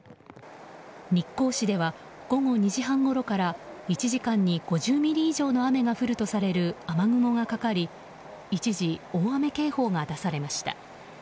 日光市では午後２時半ごろから１時間に５０ミリ以上の雨が降るとされる雨雲がかかり一時、大雨警報が出されました。